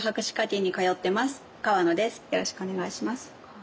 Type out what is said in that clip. よろしくお願いします。